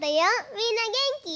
みんなげんき？